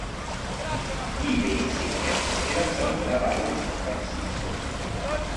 Vive e insegna nella zona della baia di San Francisco.